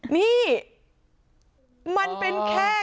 นี่มุดไปแล้ว